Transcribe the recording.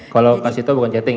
kalau kasih tau bukan chatting